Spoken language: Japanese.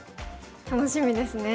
楽しみですね。